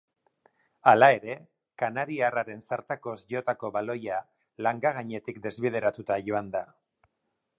Hala ere, kanariarraren zartakoz jotako baloia langa gainetik desbideratuta joan da.